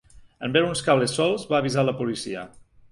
En veure uns cables solts va avisar la policia.